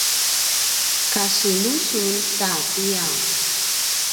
kasinu sun ta tiyaw?